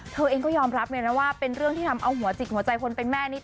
เธอเองก็ยอมรับเลยนะว่าเป็นเรื่องที่ทำเอาหัวจิตหัวใจคนเป็นแม่นี่